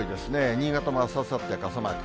新潟もあす、あさって、傘マーク。